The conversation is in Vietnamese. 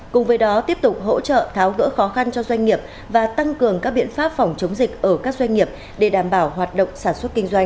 cùng với đó tiếp tục hỗ trợ tháo gỡ khó khăn cho doanh nghiệp và tăng cường các biện pháp phòng chống dịch ở các doanh nghiệp để đảm bảo hoạt động sản xuất kinh doanh